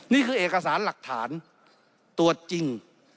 นี่คือเอกสารหลักฐานตัวจริง